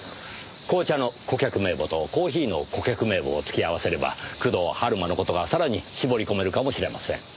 紅茶の顧客名簿とコーヒーの顧客名簿を突き合わせれば工藤春馬の事がさらに絞り込めるかもしれません。